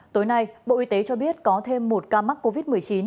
tối nay bộ y tế cho biết có thêm một ca mắc covid một mươi chín